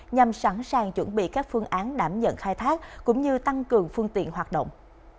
nhằm sẵn sàng chuẩn bị các phương án đảm nhận khai thác cũng như tăng cường phương tiện hoạt động